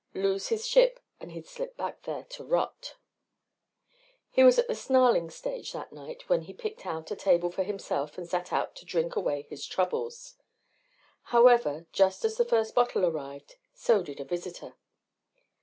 Lose his ship and he'd slip back there to rot. He was at the snarling stage that night when he picked out a table for himself and set out to drink away his troubles. However, just as the first bottle arrived, so did a visitor.